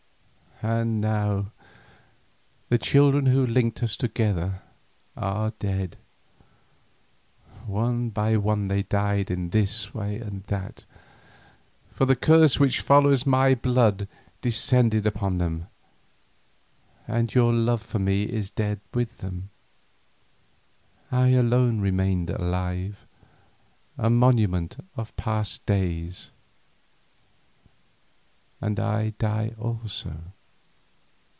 And now the children who linked us together are dead—one by one they died in this way and in that, for the curse which follows my blood descended upon them—and your love for me is dead with them. I alone remain alive, a monument of past days, and I die also.